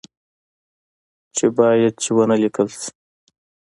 چې باید چي و نه لیکل شي